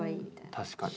確かに。